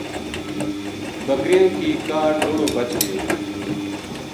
بکریاں کی کاہڈ لُڑو بچ گیو